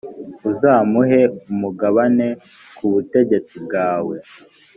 uzamuhe umugabane ku butegetsi bwawe.